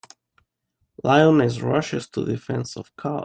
Lioness Rushes to Defense of Cub.